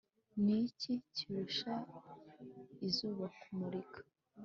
ni iki kirusha izuba kumurika